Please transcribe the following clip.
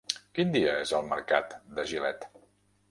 Quin dia és el mercat de Gilet?